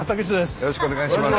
よろしくお願いします。